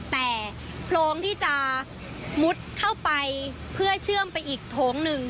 แต่โพรงที่จะมุดเข้าไปเพื่อเชื่อมไปอีกโถงหนึ่ง